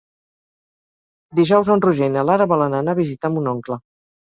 Dijous en Roger i na Lara volen anar a visitar mon oncle.